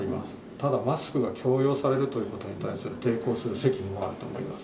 ただ、マスクを強要されるということに対する抵抗する責務もあると思います。